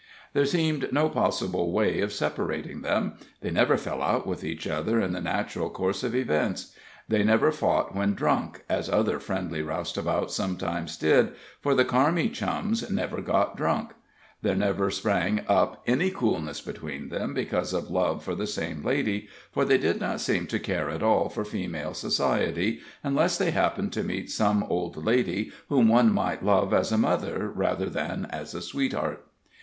There seemed no possible way of separating them; they never fell out with each other in the natural course of events; they never fought when drunk, as other friendly roustabouts sometimes did, for the Carmi Chums never got drunk; there never sprang up any coolness between them because of love for the same lady, for they did not seem to care at all for female society, unless they happened to meet some old lady whom one might love as a mother rather than as a sweetheart.